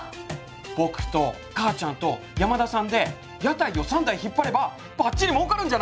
僕とかあちゃんと山田さんで屋台を３台引っ張ればばっちりもうかるんじゃない？